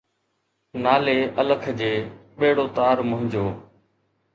نالي الک جي، ٻيڙو تار منھنجو.